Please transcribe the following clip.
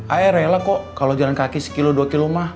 ayah rela kok kalau jalan kaki sekilo dua kilomah